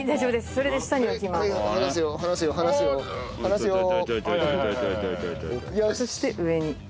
そして上に。